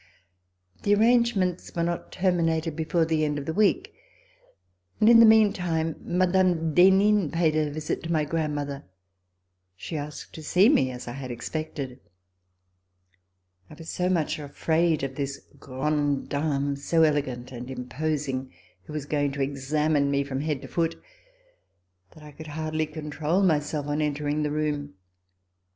The arrangements were not terminated before the end of the week, and in the meantime Mme. d'Henin paid a visit to my grandmother. She asked to see me, as I had expected. I was so much afraid of this grande dame, so elegant and imposing, who was going to examine me from head to foot, that I could hardly control myself on entering the room.